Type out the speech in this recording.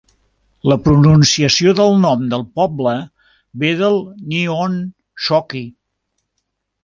La pronunciació del nom del poble ve del Nihon Shoki.